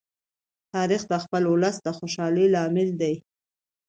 تاریخ د خپل ولس د خوشالۍ لامل دی.